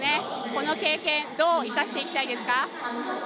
この経験どう生かしていきたいですか？